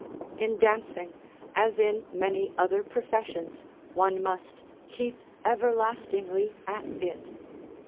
In dancing, as in many other professions, one must "keep everlastingly at it."